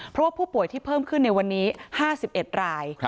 เพราะว่าผู้ป่วยที่เพิ่มขึ้นในวันนี้๕๑ราย